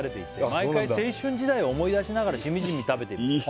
「毎回青春時代を思い出しながらしみじみ食べています」